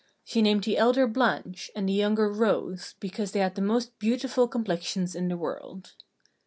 She named the elder Blanche, and the younger Rose, because they had the most beautiful complexions in the world.